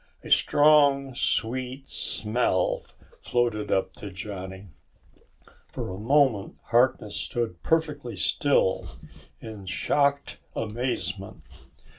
A strong sweet smell floated up to Johnny. For a moment Harkness stood perfectly still in shocked amazement.